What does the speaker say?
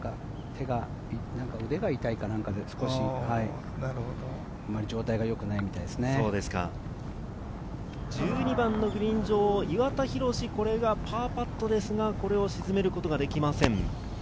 腕が痛いかなんかで少し１２番のグリーン上、岩田寛、これがパーパットですが、これを沈めることができません。